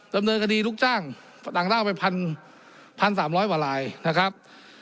ดำเนินคดีลูกจ้างต่างด้าวไป๑๓๐๐กว่าลายนะครับ